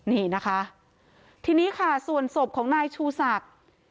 นี่นะคะทีนี้ค่ะส่วนศพของนายชูศักดิ์